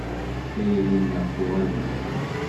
Tayri-nneɣ tuɣal d ssem.